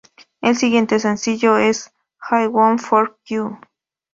Su siguiente sencillo es "I Won't Forget You".